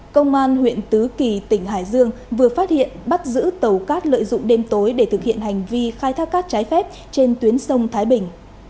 công an huyện tứ kỳ tỉnh hải dương vừa phát hiện bắt giữ tàu cát lợi dụng đêm tối để thực hiện hành vi khai thác cát trái phép trên tuyến sông thái bình